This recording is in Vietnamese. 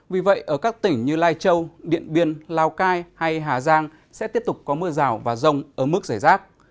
vì vậy ở các tỉnh như lai châu điện biên lào cai hay hà giang sẽ tiếp tục có mưa rào và rông ở mức giải rác